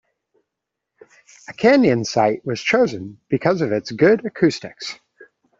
A canyon site was chosen because of its good acoustics.